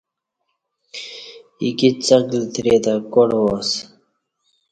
ایکی څݣ لتری تہ کاٹ وا اسہ